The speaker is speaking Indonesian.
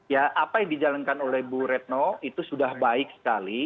ya apa yang dijalankan oleh bu retno itu sudah baik sekali